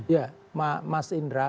ya mas indra